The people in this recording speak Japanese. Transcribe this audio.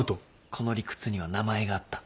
この理屈には名前があった。